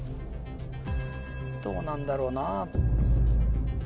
どうなんだろうな？